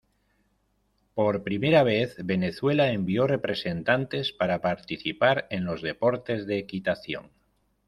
Por primera vez, Venezuela envió representantes para participar en los deportes de equitación.